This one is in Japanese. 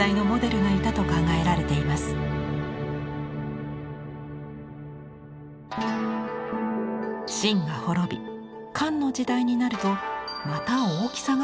秦が滅び漢の時代になるとまた大きさが変化します。